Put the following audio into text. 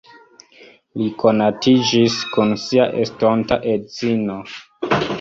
Li konatiĝis kun sia estonta edzino.